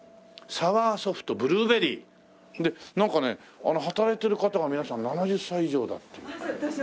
「サワーソフト」「ブルーベリー」でなんかね働いてる方が皆さん７０歳以上だっていう。